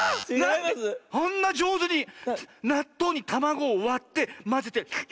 あんなじょうずになっとうにたまごをわってまぜて。